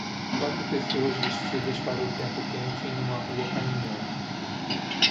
Quatro pessoas vestidas para o tempo quente em uma rua caminhando.